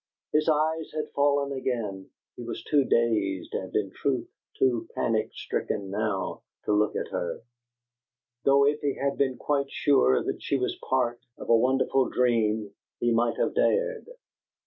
His eyes had fallen again; he was too dazed, and, in truth, too panic stricken, now, to look at her, though if he had been quite sure that she was part of a wonderful dream he might have dared.